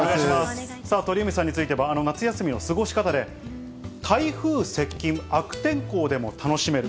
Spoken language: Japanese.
さあ、鳥海さんについては、夏休みの過ごし方で台風接近、悪天候でも楽しめる。